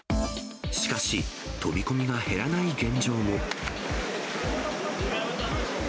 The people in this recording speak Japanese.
しかし、飛び込みが減らない現状も。